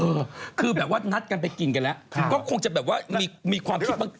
เออคือแบบว่านัดกันไปกินกันแล้วก็คงจะแบบว่ามีความคิดบาง